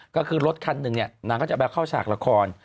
ก็คือรถคันหนึ่งเนี่ยนางก็จะไปเข้าฉากละคร